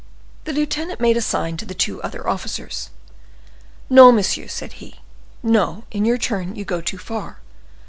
The lieutenant made a sign to the two other officers. "No, monsieur," said he, "no; in your turn you go too far.